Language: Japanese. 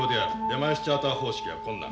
デマイス・チャーター方式は困難。